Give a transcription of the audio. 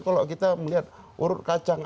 kalau kita melihat urut kacang